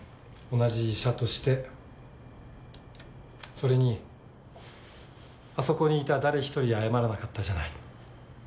それにあそこにいた誰一人謝らなかったじゃない。